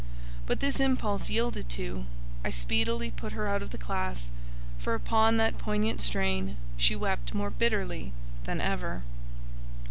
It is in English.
But, this impulse yielded to, I speedily put her out of the classe, for, upon that poignant strain, she wept more bitterly than ever.